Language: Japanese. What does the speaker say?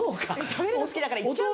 食べるの好きだから行っちゃう。